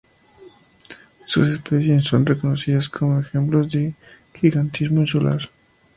Sus especies son reconocidas como ejemplos de gigantismo insular.